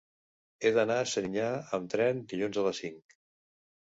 He d'anar a Serinyà amb tren dilluns a les cinc.